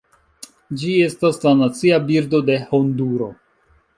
Ĝi estas la nacia birdo de Honduro.